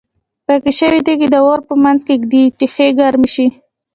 پاکې شوې تیږې د اور په منځ کې ږدي چې ښې ګرمې شي.